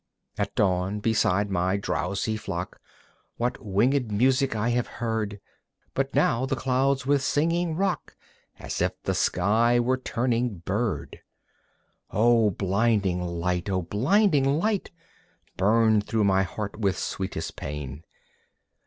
At dawn beside my drowsy flock What winged music I have heard! But now the clouds with singing rock As if the sky were turning bird. O blinding Light, O blinding Light! Burn through my heart with sweetest pain.